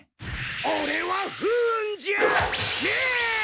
オレは不運じゃあねえ！